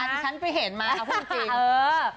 อ่ะดิฉันไปเห็นมาค่ะพูดจริง